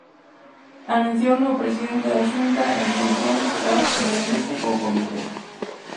Anunciouno o presidente da Xunta en funcións tras reunirse co comité.